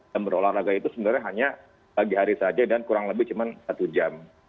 dan berolahraga itu sebenarnya hanya pagi hari saja dan kurang lebih cuman satu jam